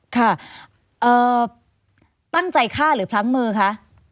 ค่ะเอ่อตั้งใจค่าหรือพลังมือคะ